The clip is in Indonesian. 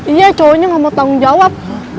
iya cowoknya gak mau tanggung jawab